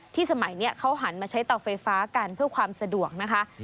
สมัยนี้เขาหันมาใช้เตาไฟฟ้ากันเพื่อความสะดวกนะคะ